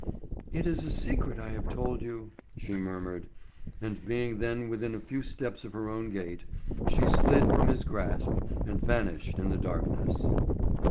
"It is a secret I have told you," she murmured, and being then within a few steps of her own gate, she slid from his grasp and vanished in the darkness.